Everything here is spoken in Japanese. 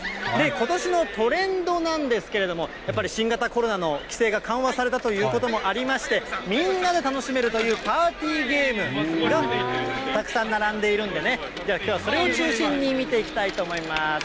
ことしのトレンドなんですけれども、やっぱり新型コロナの規制が緩和されたということもありまして、みんなで楽しめるというパーティーゲームがたくさん並んでいるんでね、きょうはそれを中心に見ていきたいと思います。